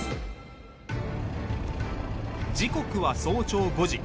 時刻は早朝５時。